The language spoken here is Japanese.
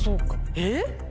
えっ⁉